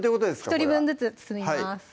１人分ずつ包みます